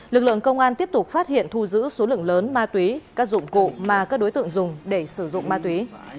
lực lượng công an tiếp tục phát hiện thu giữ số lượng lớn ma túy các dụng cụ mà các đối tượng dùng để sử dụng ma túy